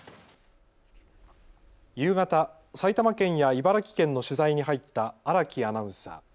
夕方、埼玉県や茨城県の取材に入った荒木アナウンサー。